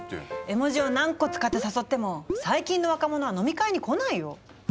絵文字を何個使って誘っても最近の若者は飲み会に来ないよ。